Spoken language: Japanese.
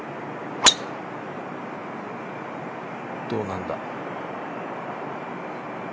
どうなんだ？